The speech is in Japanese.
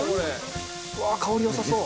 うわー香り良さそう。